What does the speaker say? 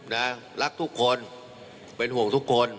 นะรักทุกคนเป็นห่วงทุกคน